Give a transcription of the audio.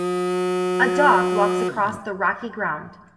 A dog walks across the rocky ground.